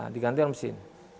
diganti oleh mesin